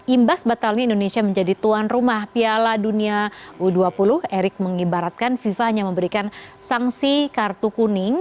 imbas batalnya indonesia menjadi tuan rumah piala dunia u dua puluh erick mengibaratkan fifa hanya memberikan sanksi kartu kuning